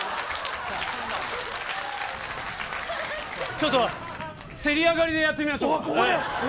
ちょっとせり上がりでやってみましょう。